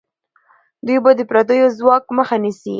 دوی به د پردیو ځواک مخه نیسي.